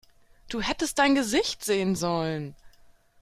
Du hättest dein Gesicht sehen sollen!